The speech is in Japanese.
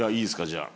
じゃあ。